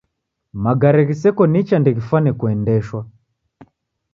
Magare ghiseko nicha ndeghifwane kuendeshwa.